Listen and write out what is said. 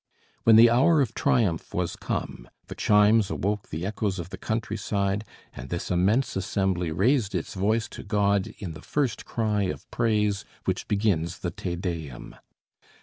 When the hour of triumph was come the chimes awoke the echoes of the countryside, and this immense assembly raised its voice to God in the first cry of praise which begins the "Te Deum."